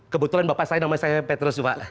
kebetulan bapak saya namanya petrus pak